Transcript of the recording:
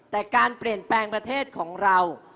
แต่การเปลี่ยนแปลงประเทศของเรา